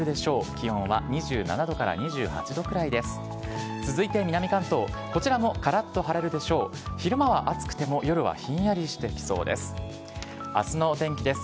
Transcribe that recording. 気温は２７度から２８度くらいです。